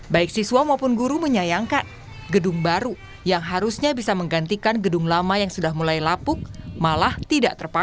baik siswa maupun guru menyayangkan gedung baru yang harusnya bisa menggantikan gedung lama yang sudah mulai lapuk malah tidak terpapar